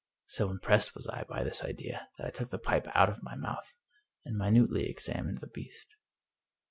So impressed was I by this idea that I took the pipe out of my mouth and minutely examined the beast.